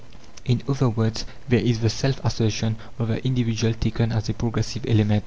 In other words, there is the self assertion of the individual taken as a progressive element.